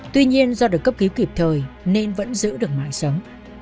tuy nhiên do được cấp cứu kịp thời nên vẫn giữ được mãi sống